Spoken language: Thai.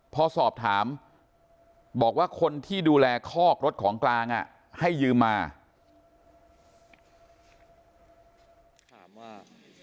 พอสอบถามบอกว่าคนที่ดูแลคอกรถของกลางให้ยืมมาถามว่า